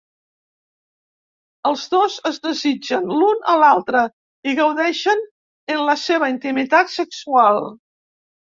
Els dos es desitgen l'un a l'altre i gaudeixen en la seva intimitat sexual.